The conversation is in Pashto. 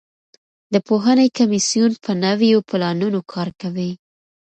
د پوهنې کمیسیون په نویو پلانونو کار کوي.